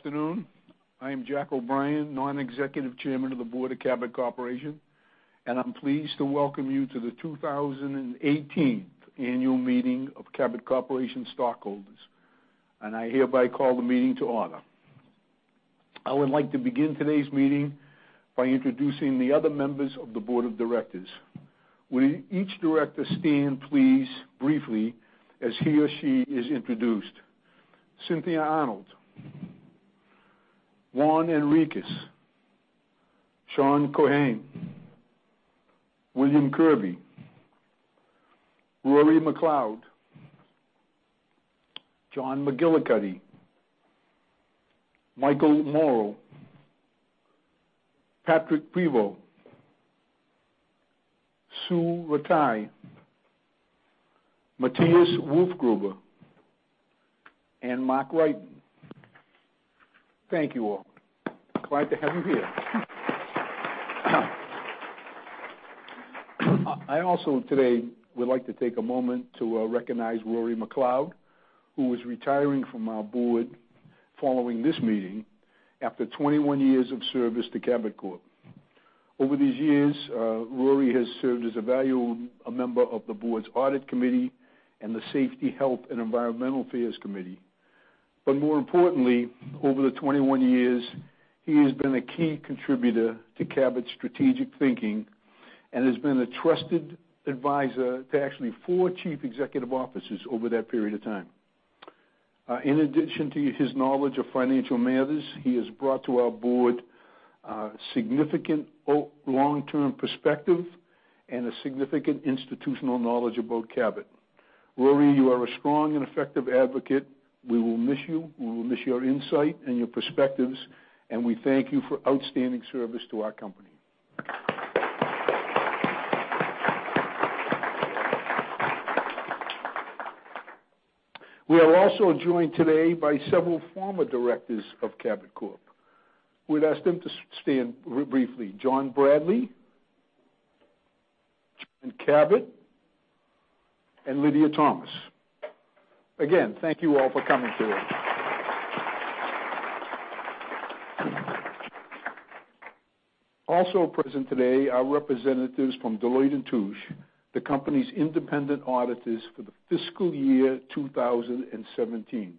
Afternoon. I am Jack O'Brien, Non-Executive Chairman of the Board of Cabot Corporation, and I am pleased to welcome you to the 2018 Annual Meeting of Cabot Corporation stockholders. I hereby call the meeting to order. I would like to begin today's meeting by introducing the other members of the board of directors. Will each director stand, please, briefly as he or she is introduced. Cynthia Arnold, Juan Enriquez, Sean Keohane, William Kirby, Rory MacLeod, John McGillicuddy, Michael Morrow, Patrick Prevost, Sue Rataj, Matthias Wolfgruber, and Mark Wrighton. Thank you all. Glad to have you here. I also today would like to take a moment to recognize Rory MacLeod, who is retiring from our board following this meeting after 21 years of service to Cabot Corp. Over these years, Rory has served as a valued member of the board's Audit Committee and the Safety, Health, and Environmental Affairs Committee. More importantly, over the 21 years, he has been a key contributor to Cabot's strategic thinking and has been a trusted advisor to actually four chief executive officers over that period of time. In addition to his knowledge of financial matters, he has brought to our board a significant long-term perspective and a significant institutional knowledge about Cabot. Rory, you are a strong and effective advocate. We will miss you. We will miss your insight and your perspectives. We thank you for outstanding service to our company. We are also joined today by several former directors of Cabot Corp. We would ask them to stand briefly. John Bradley, John Cabot, and Lydia Thomas. Again, thank you all for coming today. Also present today are representatives from Deloitte & Touche, the company's independent auditors for the fiscal year 2017.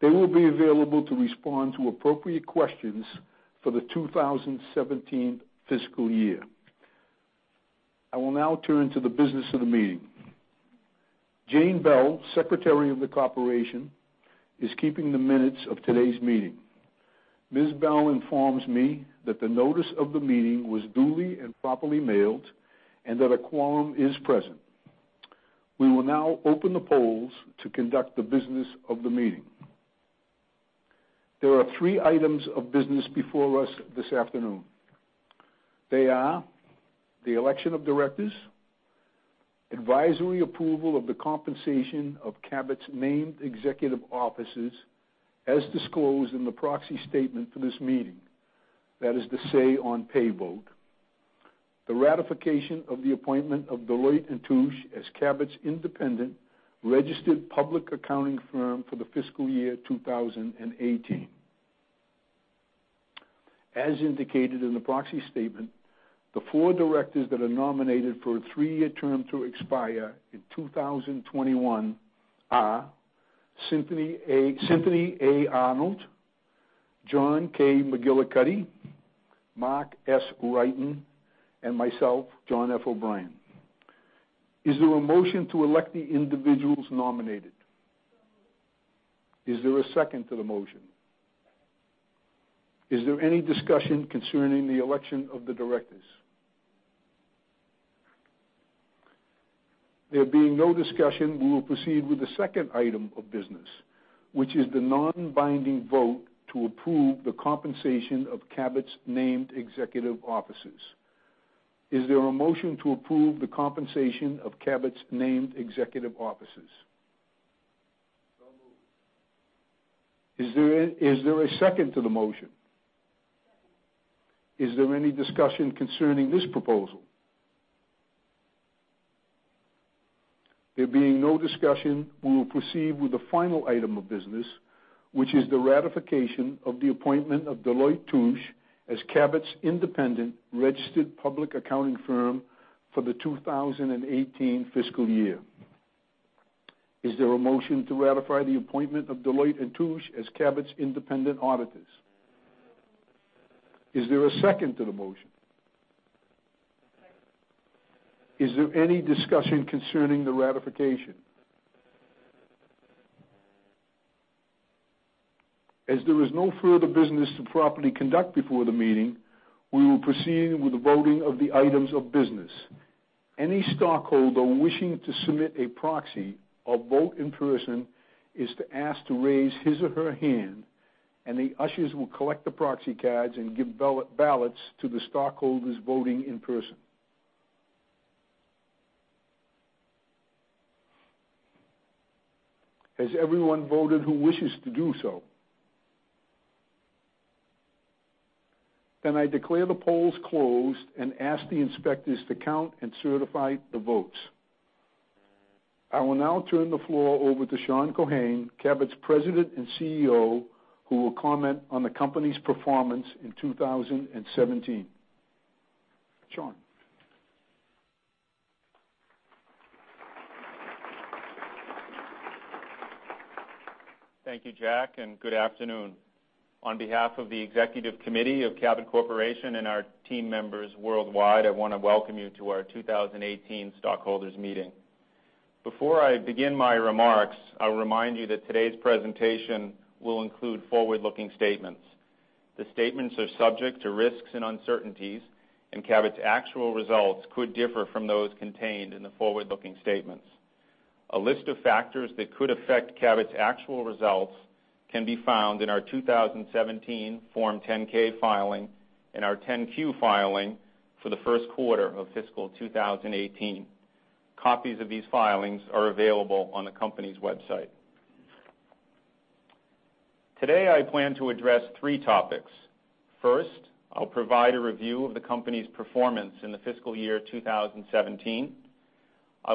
They will be available to respond to appropriate questions for the 2017 fiscal year. I will now turn to the business of the meeting. Jane Bell, Secretary of the Corporation, is keeping the minutes of today's meeting. Ms. Bell informs me that the notice of the meeting was duly and properly mailed and that a quorum is present. We will now open the polls to conduct the business of the meeting. There are three items of business before us this afternoon. They are the election of directors, advisory approval of the compensation of Cabot's named executive officers as disclosed in the proxy statement for this meeting. That is the say on pay vote. The ratification of the appointment of Deloitte & Touche as Cabot's independent registered public accounting firm for the fiscal year 2018. As indicated in the proxy statement, the four directors that are nominated for a three-year term to expire in 2021 are Cynthia A. Arnold, John K. McGillicuddy, Mark S. Wrighton, and myself, John F. O'Brien. Is there a motion to elect the individuals nominated? Moved. Is there a second to the motion? Second. Is there any discussion concerning the election of the directors? There being no discussion, we will proceed with the second item of business, which is the non-binding vote to approve the compensation of Cabot's named executive officers. Is there a motion to approve the compensation of Cabot's named executive officers? So moved. Is there a second to the motion? Second. Is there any discussion concerning this proposal? There being no discussion, we will proceed with the final item of business, which is the ratification of the appointment of Deloitte & Touche as Cabot's independent registered public accounting firm for the 2018 fiscal year. Is there a motion to ratify the appointment of Deloitte & Touche as Cabot's independent auditors? So moved. Is there a second to the motion? Second. Is there any discussion concerning the ratification? As there is no further business to properly conduct before the meeting, we will proceed with the voting of the items of business. Any stockholder wishing to submit a proxy or vote in person is to ask to raise his or her hand, and the ushers will collect the proxy cards and give ballots to the stockholders voting in person. Has everyone voted who wishes to do so? I declare the polls closed and ask the inspectors to count and certify the votes. I will now turn the floor over to Sean Keohane, Cabot's President and CEO, who will comment on the company's performance in 2017. Sean. Thank you, Jack, and good afternoon. On behalf of the executive committee of Cabot Corporation and our team members worldwide, I want to welcome you to our 2018 stockholders meeting. Before I begin my remarks, I'll remind you that today's presentation will include forward-looking statements. The statements are subject to risks and uncertainties, and Cabot's actual results could differ from those contained in the forward-looking statements. A list of factors that could affect Cabot's actual results can be found in our 2017 Form 10-K filing and our 10-Q filing for the first quarter of fiscal 2018. Copies of these filings are available on the company's website. Today, I plan to address three topics. First, I'll provide a review of the company's performance in the fiscal year 2017. I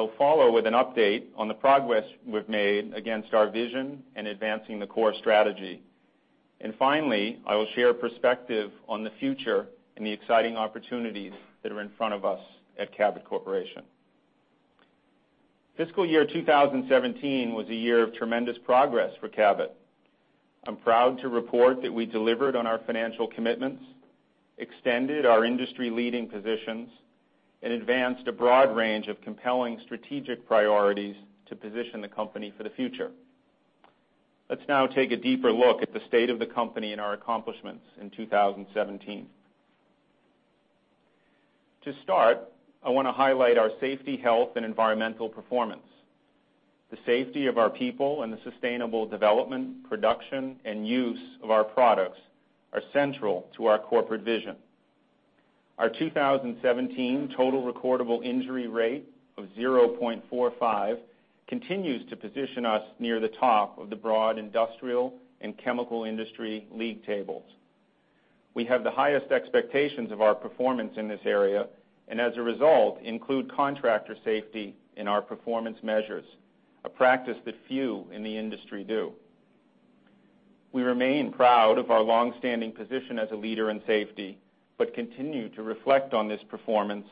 will follow with an update on the progress we've made against our vision and advancing the core strategy. Finally, I will share a perspective on the future and the exciting opportunities that are in front of us at Cabot Corporation. Fiscal year 2017 was a year of tremendous progress for Cabot. I'm proud to report that we delivered on our financial commitments, extended our industry-leading positions, and advanced a broad range of compelling strategic priorities to position the company for the future. Let's now take a deeper look at the state of the company and our accomplishments in 2017. To start, I want to highlight our safety, health, and environmental performance. The safety of our people and the sustainable development, production, and use of our products are central to our corporate vision. Our 2017 total recordable injury rate of 0.45 continues to position us near the top of the broad industrial and chemical industry league tables. We have the highest expectations of our performance in this area. As a result, include contractor safety in our performance measures, a practice that few in the industry do. We remain proud of our long-standing position as a leader in safety, but continue to reflect on this performance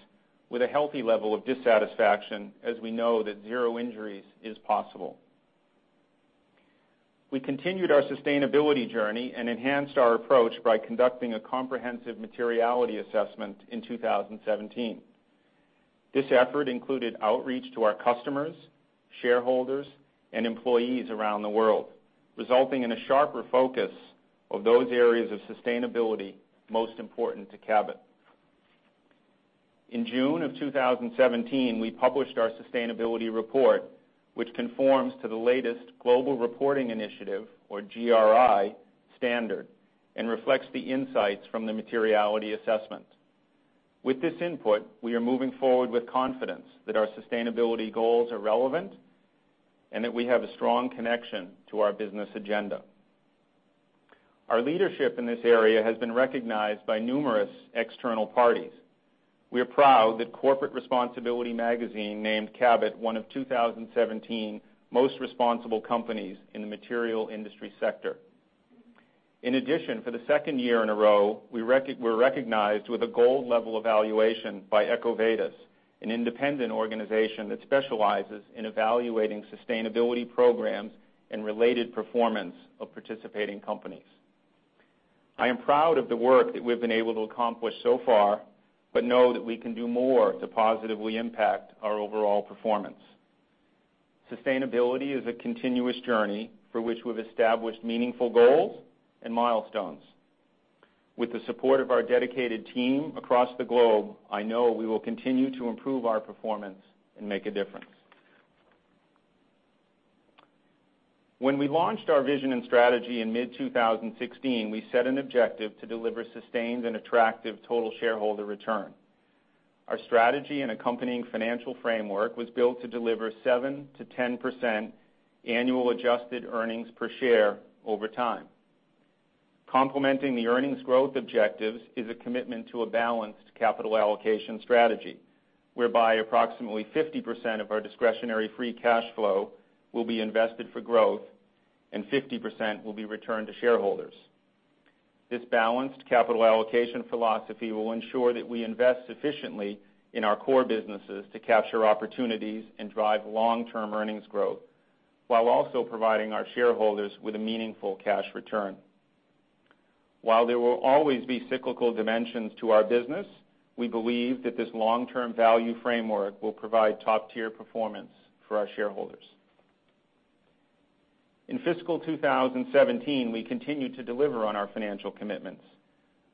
with a healthy level of dissatisfaction, as we know that zero injuries is possible. We continued our sustainability journey and enhanced our approach by conducting a comprehensive materiality assessment in 2017. This effort included outreach to our customers, shareholders, and employees around the world, resulting in a sharper focus of those areas of sustainability most important to Cabot. In June of 2017, we published our sustainability report, which conforms to the latest Global Reporting Initiative, or GRI, standard and reflects the insights from the materiality assessment. With this input, we are moving forward with confidence that our sustainability goals are relevant and that we have a strong connection to our business agenda. Our leadership in this area has been recognized by numerous external parties. We are proud that Corporate Responsibility magazine named Cabot one of 2017 most responsible companies in the material industry sector. In addition, for the second year in a row, we were recognized with a gold-level evaluation by EcoVadis, an independent organization that specializes in evaluating sustainability programs and related performance of participating companies. I am proud of the work that we've been able to accomplish so far but know that we can do more to positively impact our overall performance. Sustainability is a continuous journey for which we've established meaningful goals and milestones. With the support of our dedicated team across the globe, I know we will continue to improve our performance and make a difference. When we launched our vision and strategy in mid-2016, we set an objective to deliver sustained and attractive total shareholder return. Our strategy and accompanying financial framework was built to deliver 7%-10% annual adjusted earnings per share over time. Complementing the earnings growth objectives is a commitment to a balanced capital allocation strategy, whereby approximately 50% of our discretionary free cash flow will be invested for growth and 50% will be returned to shareholders. This balanced capital allocation philosophy will ensure that we invest sufficiently in our core businesses to capture opportunities and drive long-term earnings growth while also providing our shareholders with a meaningful cash return. While there will always be cyclical dimensions to our business, we believe that this long-term value framework will provide top-tier performance for our shareholders. In fiscal 2017, we continued to deliver on our financial commitments.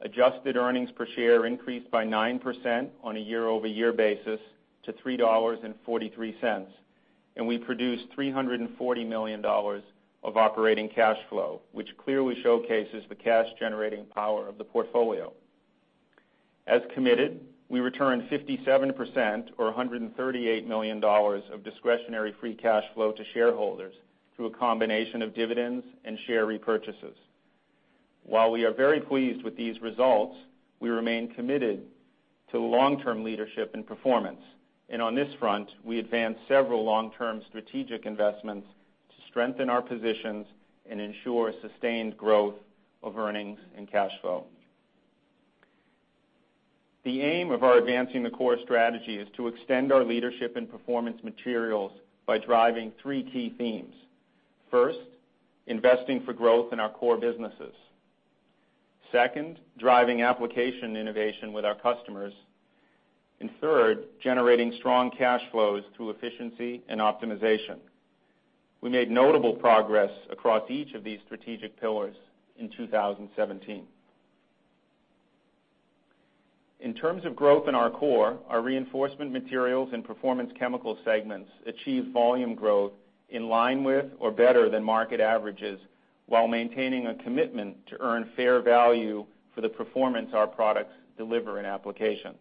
Adjusted earnings per share increased by 9% on a year-over-year basis to $3.43, and we produced $340 million of operating cash flow, which clearly showcases the cash-generating power of the portfolio. As committed, we returned 57%, or $138 million of discretionary free cash flow to shareholders through a combination of dividends and share repurchases. While we are very pleased with these results, we remain committed to long-term leadership and performance. On this front, we advanced several long-term strategic investments to strengthen our positions and ensure sustained growth of earnings and cash flow. The aim of our Advancing the Core strategy is to extend our leadership in performance materials by driving three key themes. First, investing for growth in our core businesses. Second, driving application innovation with our customers. Third, generating strong cash flows through efficiency and optimization. We made notable progress across each of these strategic pillars in 2017. In terms of growth in our core, our Reinforcement Materials and Performance Chemicals segments achieved volume growth in line with or better than market averages while maintaining a commitment to earn fair value for the performance our products deliver in applications.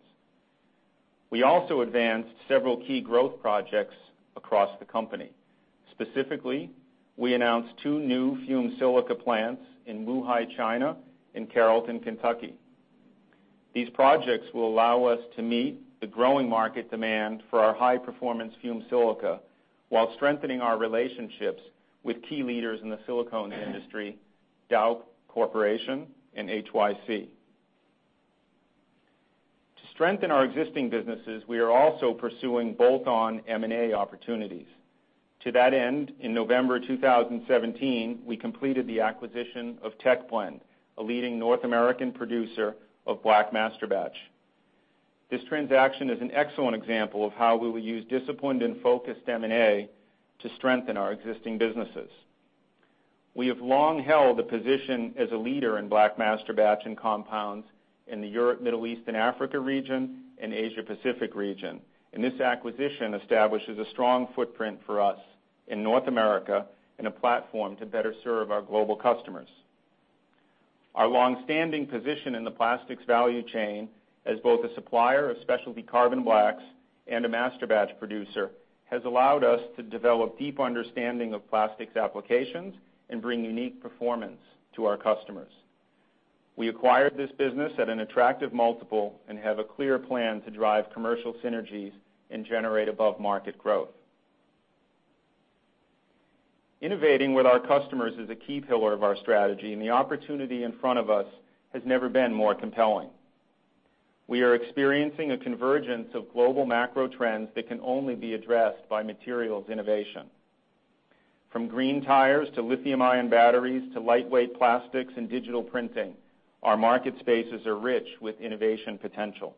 We also advanced several key growth projects across the company. Specifically, we announced two new fumed silica plants in Wuhai, China, and Carrollton, Kentucky. These projects will allow us to meet the growing market demand for our high-performance fumed silica while strengthening our relationships with key leaders in the silicone industry, Dow Corning, and HYC. To strengthen our existing businesses, we are also pursuing bolt-on M&A opportunities. To that end, in November 2017, we completed the acquisition of Tech Blend, a leading North American producer of black masterbatch. This transaction is an excellent example of how we will use disciplined and focused M&A to strengthen our existing businesses. We have long held a position as a leader in black masterbatch and compounds in the Europe, Middle East, and Africa region and Asia Pacific region, and this acquisition establishes a strong footprint for us in North America and a platform to better serve our global customers. Our longstanding position in the plastics value chain as both a supplier of specialty carbon blacks and a masterbatch producer has allowed us to develop deep understanding of plastics applications and bring unique performance to our customers. We acquired this business at an attractive multiple and have a clear plan to drive commercial synergies and generate above-market growth. Innovating with our customers is a key pillar of our strategy, the opportunity in front of us has never been more compelling. We are experiencing a convergence of global macro trends that can only be addressed by materials innovation. From green tires to lithium-ion batteries to lightweight plastics and digital printing, our market spaces are rich with innovation potential.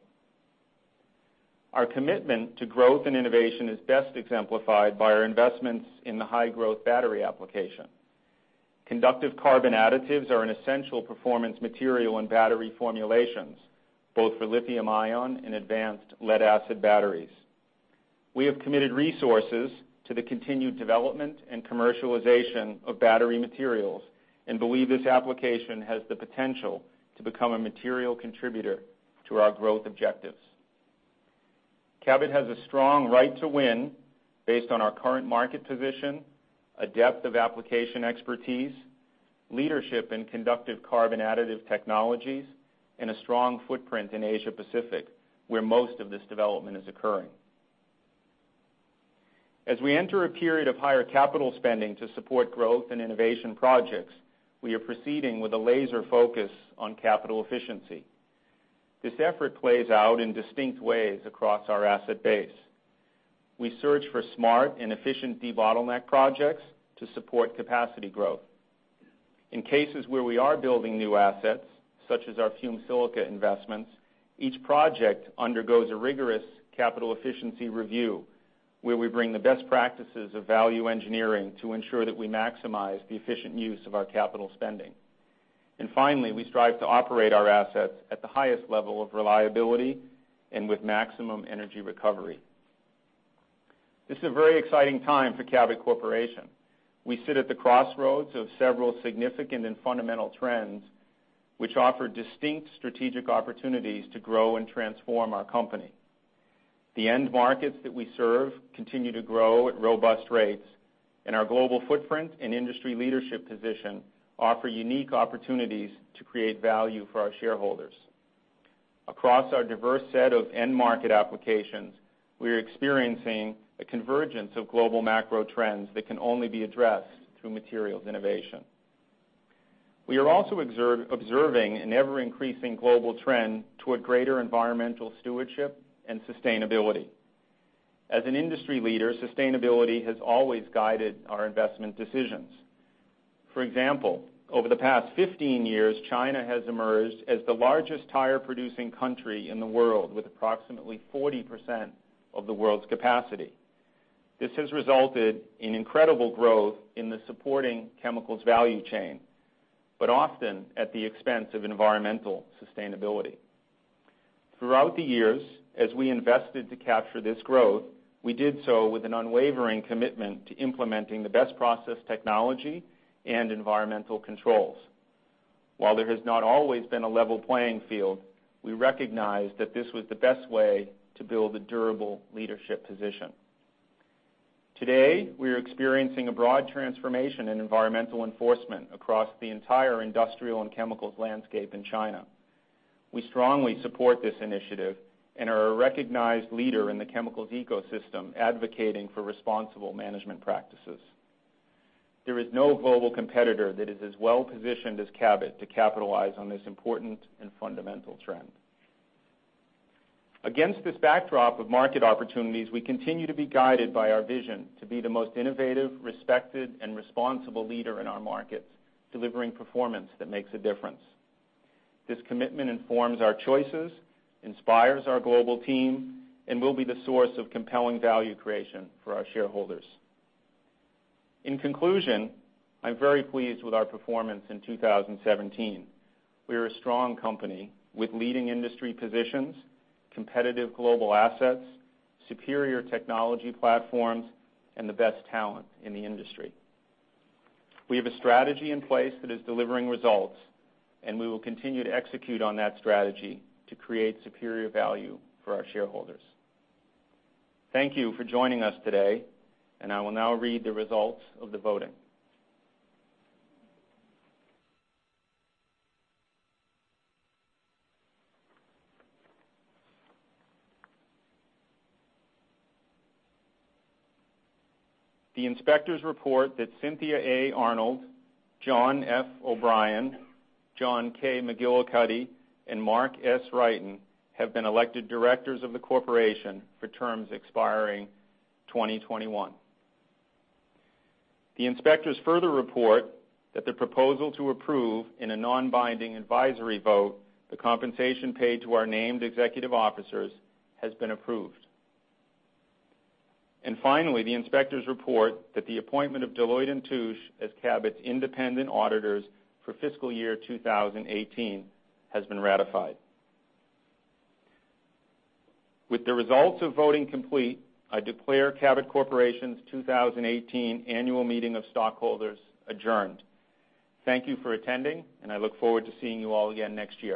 Our commitment to growth and innovation is best exemplified by our investments in the high-growth battery application. Conductive carbon additives are an essential performance material in battery formulations, both for lithium-ion and advanced lead-acid batteries. We have committed resources to the continued development and commercialization of battery materials and believe this application has the potential to become a material contributor to our growth objectives. Cabot has a strong right to win based on our current market position, a depth of application expertise, leadership in conductive carbon additive technologies, and a strong footprint in Asia Pacific, where most of this development is occurring. As we enter a period of higher capital spending to support growth and innovation projects, we are proceeding with a laser focus on capital efficiency. This effort plays out in distinct ways across our asset base. We search for smart and efficient debottleneck projects to support capacity growth. In cases where we are building new assets, such as our fumed silica investments, each project undergoes a rigorous capital efficiency review, where we bring the best practices of value engineering to ensure that we maximize the efficient use of our capital spending. Finally, we strive to operate our assets at the highest level of reliability and with maximum energy recovery. This is a very exciting time for Cabot Corporation. We sit at the crossroads of several significant and fundamental trends, which offer distinct strategic opportunities to grow and transform our company. The end markets that we serve continue to grow at robust rates, and our global footprint and industry leadership position offer unique opportunities to create value for our shareholders. Across our diverse set of end market applications, we are experiencing a convergence of global macro trends that can only be addressed through materials innovation. We are also observing an ever-increasing global trend toward greater environmental stewardship and sustainability. As an industry leader, sustainability has always guided our investment decisions. For example, over the past 15 years, China has emerged as the largest tire-producing country in the world, with approximately 40% of the world's capacity. This has resulted in incredible growth in the supporting chemicals value chain, but often at the expense of environmental sustainability. Throughout the years, as we invested to capture this growth, we did so with an unwavering commitment to implementing the best process technology and environmental controls. While there has not always been a level playing field, we recognize that this was the best way to build a durable leadership position. Today, we are experiencing a broad transformation in environmental enforcement across the entire industrial and chemicals landscape in China. We strongly support this initiative and are a recognized leader in the chemicals ecosystem advocating for responsible management practices. There is no global competitor that is as well-positioned as Cabot to capitalize on this important and fundamental trend. Against this backdrop of market opportunities, we continue to be guided by our vision to be the most innovative, respected, and responsible leader in our markets, delivering performance that makes a difference. This commitment informs our choices, inspires our global team, and will be the source of compelling value creation for our shareholders. In conclusion, I'm very pleased with our performance in 2017. We are a strong company with leading industry positions, competitive global assets, superior technology platforms, and the best talent in the industry. We have a strategy in place that is delivering results, and we will continue to execute on that strategy to create superior value for our shareholders. Thank you for joining us today, and I will now read the results of the voting. The inspectors report that Cynthia A. Arnold, John F. O'Brien, John K. McGillicuddy, and Mark S. Wrighton have been elected directors of the corporation for terms expiring 2021. The inspectors further report that the proposal to approve, in a non-binding advisory vote, the compensation paid to our named executive officers has been approved. Finally, the inspectors report that the appointment of Deloitte & Touche as Cabot's independent auditors for fiscal year 2018 has been ratified. With the results of voting complete, I declare Cabot Corporation's 2018 annual meeting of stockholders adjourned. Thank you for attending, and I look forward to seeing you all again next year.